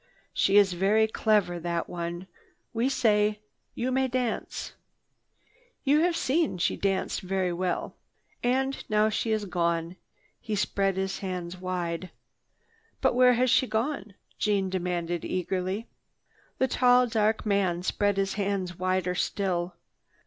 She is very clever, that one. We say, 'You may dance.' You have seen, she danced very well. And now she is gone." He spread his hands wide. "But where has she gone?" Jeanne demanded eagerly. The tall, dark man spread his hands wider still.